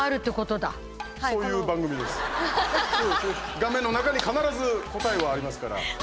画面の中に必ず答えはありますから。